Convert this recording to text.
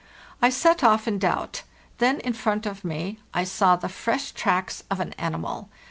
I set off in doubt. Then in front of me I saw the fresh tracks of an animal.